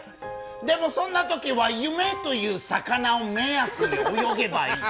でもそんなときは夢という魚を目安に泳げばいい。